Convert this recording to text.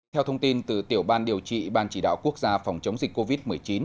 theo thông tin từ tiểu ban điều trị ban chỉ đạo quốc gia phòng chống dịch covid một mươi chín